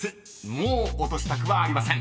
もう落としたくはありません］